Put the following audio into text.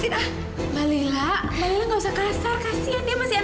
iwi niac butuh tikin di western